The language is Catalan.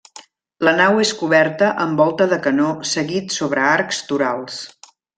La nau és coberta amb volta de canó seguit sobre arcs torals.